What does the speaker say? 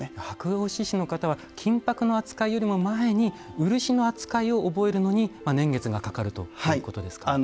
箔押師の方は金箔の扱いよりも前に漆の扱いを覚えるのに年月がかかるということですか。